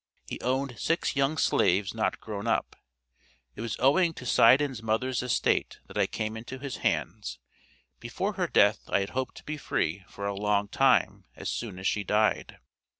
He owned six young slaves not grown up. It was owing to Sydan's mother's estate that I came into his hands; before her death I had hoped to be free for a long time as soon as she died.